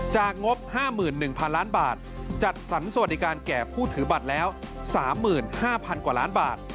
งบ๕๑๐๐๐ล้านบาทจัดสรรสวัสดิการแก่ผู้ถือบัตรแล้ว๓๕๐๐๐กว่าล้านบาท